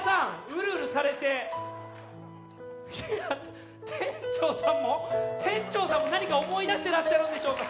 ウルウルされていや店長さんも店長さんも何か思い出してらっしゃるんでしょうか